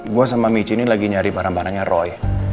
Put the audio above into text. gue sama micha ini lagi nyari barang barangnya roy